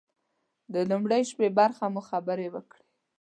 د لومړۍ شپې برخه مو خبرې وکړې.